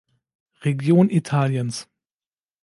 Region Italiens.